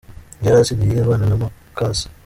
Yari asigaye abana na muka se.